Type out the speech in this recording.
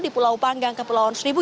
di pulau panggang ke pulau onsribu